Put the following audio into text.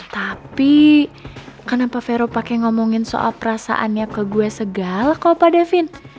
tapi kenapa vero pakai ngomongin soal perasaannya ke gue segala ke opa davin